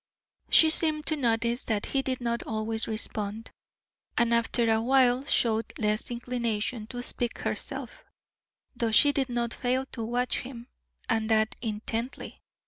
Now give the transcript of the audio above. She seemed to notice that he did not always respond, and after a while showed less inclination to speak herself, though she did not fail to watch him, and that intently.